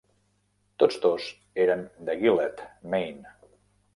Tots dos eren de Gilead, Maine.